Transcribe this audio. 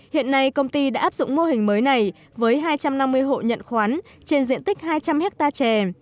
hiện nay công ty đã áp dụng mô hình mới này với hai trăm năm mươi hộ nhận khoán trên diện tích hai trăm linh hectare chè